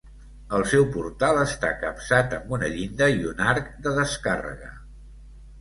El seu portal està capçat amb una llinda i un arc de descàrrega.